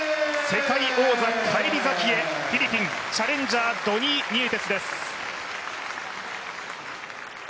世界王座返り咲きへフィリピンチャレンジャードニー・ニエテスです。